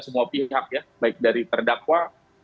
semua pihak ya baik dari terdakwa